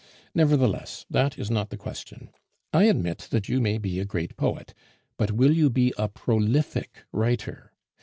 Nevertheless, that is not the question. I admit that you may be a great poet, but will you be a prolific writer?